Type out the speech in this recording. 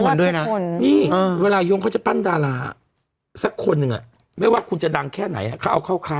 น่ะเวลายงเขาจะปั้นดาราสักคนเลยไม่ว่าคุณจะดังแค่ไหนจะเอาเข้าคลาส